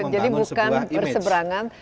jadi bukan berseberangan